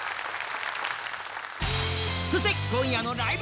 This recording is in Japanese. そして今夜の「ライブ！